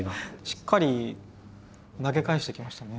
しっかり投げ返してきましたね。